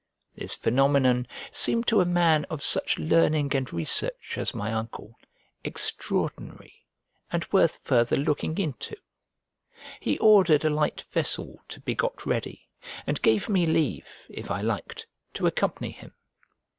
This phenomenon seemed to a man of such learning and research as my uncle extraordinary and worth further looking into. He ordered a light vessel to be got ready, and gave me leave, if I liked, to accompany him.